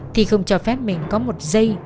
thì không cho phép mình có một giây